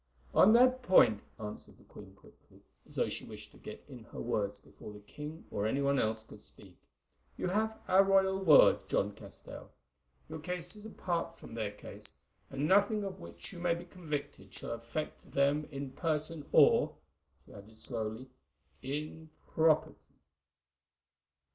"On that point," answered the queen quickly, as though she wished to get in her words before the king or any one else could speak, "you have our royal word, John Castell. Your case is apart from their case, and nothing of which you may be convicted shall affect them in person or," she added slowly, "in property."